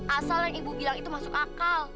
asal yang ibu bilang itu masuk akal